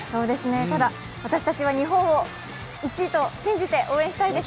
ただ、私たちは日本を１位と信じて応援したいですね。